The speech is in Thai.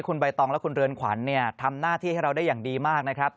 คุณใบตองและคุณเรือนขวัญเนี่ยทำหน้าที่ให้เราได้อย่างดีมากนะครับ